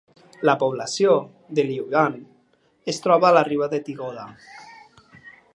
La població de Lyuban es troba a la riba del Tigoda.